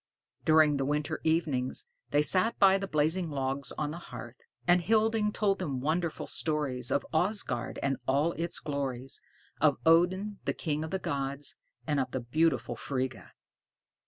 During the winter evenings, they sat by the blazing logs on the hearth, and Hilding told them wonderful stories of Asgard and all its glories, of Odin the king of the gods, and of the beautiful Frigga.